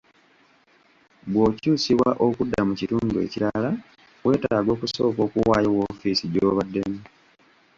Bw'okyusibwa okudda mu kitundu ekirala, weetaaga okusooka okuwaayo woofiisi gy'obaddemu.